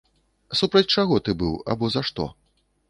Супраць чаго ты быў або за што?